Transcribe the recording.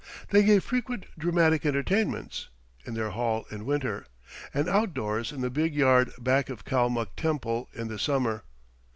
They gave frequent dramatic entertainments in their hall in winter, and outdoors in the big yard back of Kalmuck Temple in the summer.